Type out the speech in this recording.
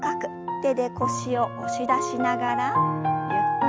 手で腰を押し出しながらゆっくりと後ろ。